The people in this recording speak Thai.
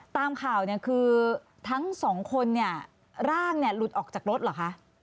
ตามข่าวทั้ง๒คนร่างลุดออกจากรถหรอคะ